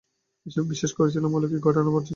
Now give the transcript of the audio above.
এসবে বিশ্বাস করেছিলাম বলেই, অলৌকিক ঘটনাটা ঘটেছিল।